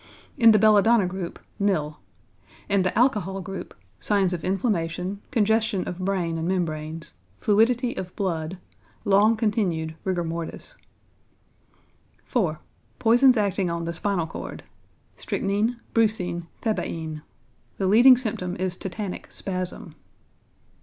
In the belladonna group, nil. In the alcohol group, signs of inflammation, congestion of brain and membranes, fluidity of blood, long continued rigor mortis. 4. =Poisons Acting on the Spinal Cord.= Strychnine, brucine, thebaïne. The leading symptom is tetanic spasm.